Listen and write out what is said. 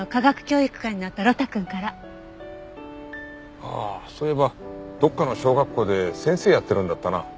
ああそういえばどっかの小学校で先生やってるんだったな。